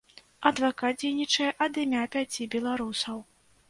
Адвакат дзейнічае ад імя пяці беларусаў.